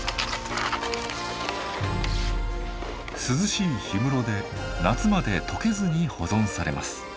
涼しい氷室で夏まで解けずに保存されます。